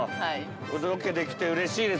ロケできてうれしいです。